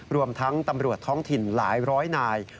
รวมทั้งตำรวจท้องถิ่นหลายร้อยนาย